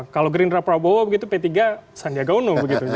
kalau gerindra prabowo begitu p tiga sandiaga uno begitu